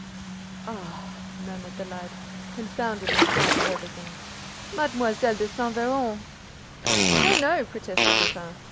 "Ah," murmured the lad, confounded in spite of everything, "Mlle. de Saint Véran!" "No, no," protested Lupin.